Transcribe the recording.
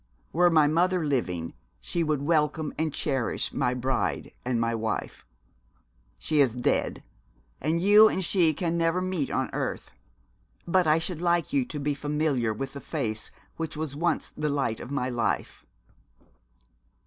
Were my mother living, she would welcome and cherish my bride and my wife. She is dead, and you and she can never meet on earth: but I should like you to be familiar with the face which was once the light of my life.'